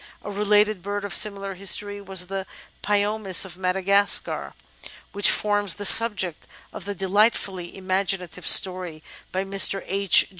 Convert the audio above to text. A related bird of similar history was the ^pyomis of Madagascar, which forms the sub ject of the delightfuUy imaginative story by Mr. H.